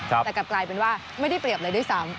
แต่กลับกลายเป็นว่าไม่ได้เปรียบเลยด้วยซ้ำ